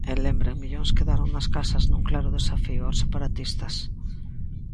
E, lembren, millóns quedaron nas casas nun claro desafío aos separatistas.